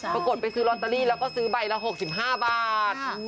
ไปซื้อลอตเตอรี่แล้วก็ซื้อใบละ๖๕บาท